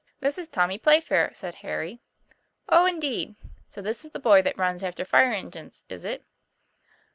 ; This is Tommy Playfair," said Harry. ' Oh, indeed ! so this is the boy that runs after fire engines, is it?"